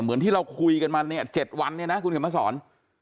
เหมือนที่เราคุยกันมา๗วันเนี่ยนะคุณเขมรสร